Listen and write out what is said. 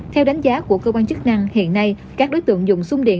theo đánh giá của cơ quan chức năng hiện nay các đối tượng dùng sung điện